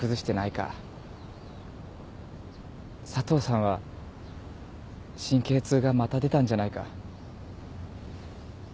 佐藤さんは神経痛がまた出たんじゃないか。